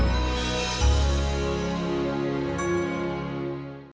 sampai jumpa di video selanjutnya